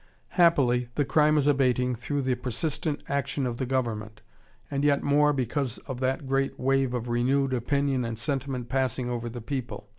Happily, the crime is abating through the persistent action of the government, and yet more because of that great wave of renewed opinion and sentiment passing over the people.